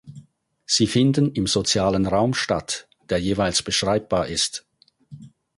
Sie finden im "sozialen Raum" statt, der jeweils beschreibbar ist.